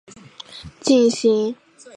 分子量的测量通过质谱法来进行。